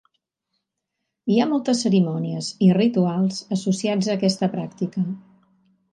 Hi ha moltes cerimònies i rituals associats a aquesta pràctica.